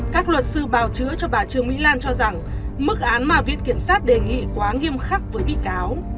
các luật sư bào chữa cho bà trương mỹ lan cho rằng mức án mà viện kiểm sát đề nghị quá nghiêm khắc với bị cáo